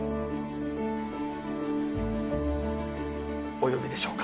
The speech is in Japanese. お呼びでしょうか？